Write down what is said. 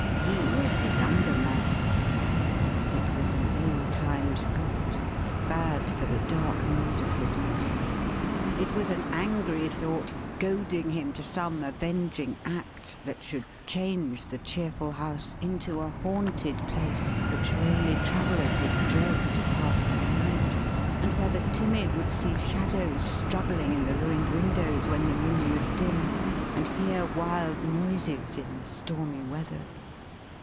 He was the younger man. It was an ill timed thought, bad for the dark mood of his mind. It was an angry thought, goading him to some avenging act, that should change the cheerful house into a haunted place which lonely travellers would dread to pass by night; and where the timid would see shadows struggling in the ruined windows when the moon was dim, and hear wild noises in the stormy weather.